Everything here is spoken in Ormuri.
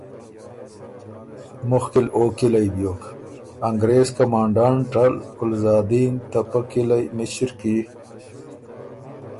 مُخکی ل او کلئ بیوک، انګرېز کمانډانټ ال ګلزادین ته پۀ کِلئ مِݭِر کی